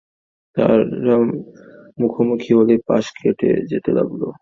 তারা তাঁর মুখোমুখি হলেই পাশ কেটে যেতে লাগল।